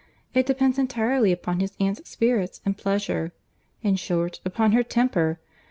It depends entirely upon his aunt's spirits and pleasure; in short, upon her temper.